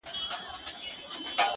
وګورئ جنت خو پهٔ کابل کې دی